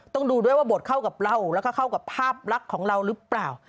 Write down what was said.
ต้องดูด้วยว่าบทเข้ากับเราแล้วก็เข้ากับภาพลักษณ์ของเราหรือเปล่า